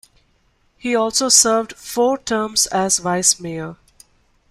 He also served four terms as vice-mayor.